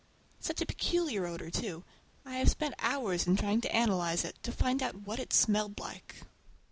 Such a peculiar odor, too! I have spent hours in trying to analyze it, to find what it smelled like.